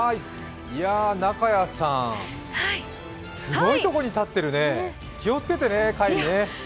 中屋さん、すごいとこに立ってるね、気をつけてね、帰り。